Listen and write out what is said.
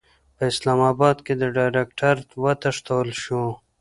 په اسلاماباد کې د ډایرکټر وتښتول شو.